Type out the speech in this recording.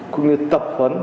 cũng như tập huấn